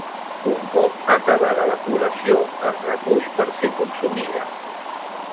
Un cop acabada la floració es recull per ser consumida.